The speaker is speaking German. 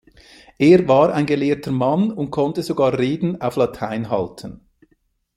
Er war ein gelehrter Mann und konnte sogar Reden auf Latein halten.